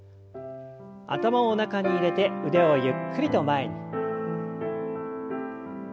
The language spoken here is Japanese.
頭を中に入れて腕をゆっくりと前に。